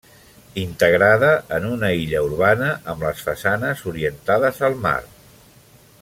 Integrada en una illa urbana, amb les façanes orientades al mar.